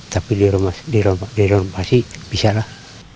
tapi dirompasi bisa lah